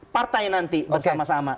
partai nanti bersama sama